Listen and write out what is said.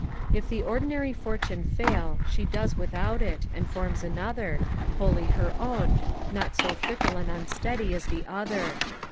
If the ordinary fortune fail, she does without it, and forms another, wholly her own, not so fickle and unsteady as the other.